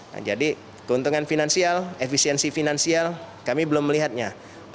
nah jadi keuntungan finansial efisiensi finansial kami belum melihatnya